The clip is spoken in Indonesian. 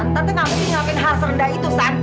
tante gak mesti ngapain hal serendah itu